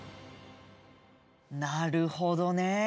なるほどね。